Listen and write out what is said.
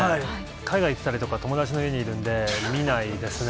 海外行ってたりとか、友達の家にいるので、見ないですね。